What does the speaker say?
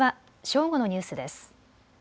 正午のニュースです。